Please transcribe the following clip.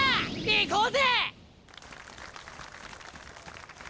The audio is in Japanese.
行こうぜ！